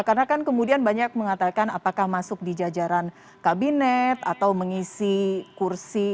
karena kan kemudian banyak mengatakan apakah masuk di jajaran kabinet atau mengisi kursi